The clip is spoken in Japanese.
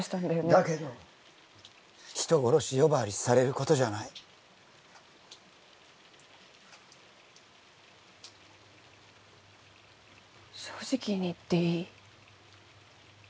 だけど人殺し呼ばわりされることじゃない正直に言っていい？